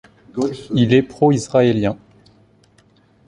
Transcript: Il est pro-israélien.